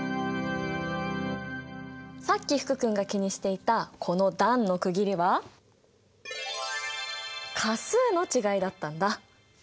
さっき福君が気にしていたこの段の区切りは価数の違いだったんだ。